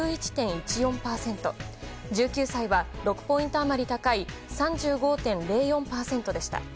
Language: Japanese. １９歳は６ポイント余り高い３５．０４％でした。